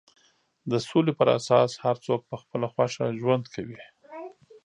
د سولې پر اساس هر څوک په خپله خوښه ژوند کوي.